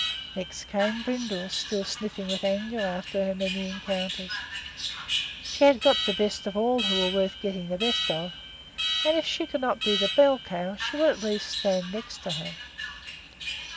Next came Brindle, still sniffing with anger after her many encounters. She had got the best of all who were worth getting the best of, and if she could not be the bell cow, she would, at any rate, stand next to her.